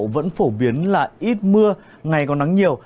vẫn phổ biến là ít mưa ngày còn nắng nhiều